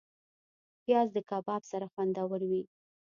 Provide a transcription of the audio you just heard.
پیاز د کباب سره خوندور وي